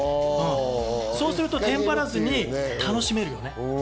そうするとテンパらずに楽しめる。